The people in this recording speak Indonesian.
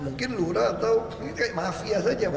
mungkin lurah atau kayak mafia saja